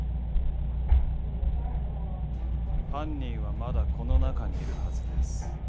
犯人はまだこの中にいるはずです。